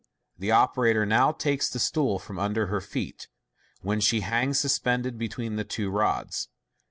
The Fig. 314. operator now takes the stool from under her feet, when she hang> suspended between the two rods.